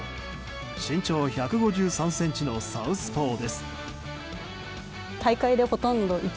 身長１５３ｃｍのサウスポーです。